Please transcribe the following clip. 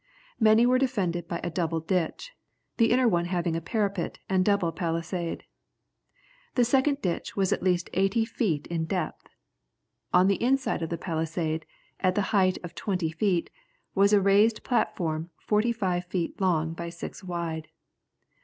Many were defended by a double ditch, the inner one having a parapet and double palisade. The second ditch was at least eighty feet in depth. On the inside of the palisade, at the height of twenty feet, was a raised platform forty feet long by six wide.